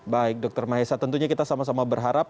baik dokter mahesa tentunya kita sama sama berharap